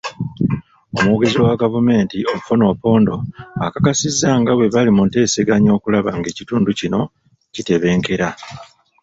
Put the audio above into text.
Omwogezi wa gavumenti, Ofwono Opondo, akakasizza nga bwe bali muteeseganya okulaba ng'ekitundu kino kitebenkera.